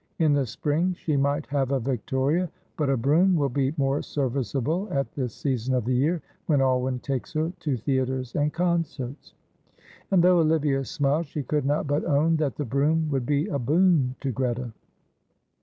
In the spring she might have a victoria, but a brougham will be more serviceable at this season of the year when Alwyn takes her to theatres and concerts." And though Olivia smiled, she could not but own that the brougham would be a boon to Greta.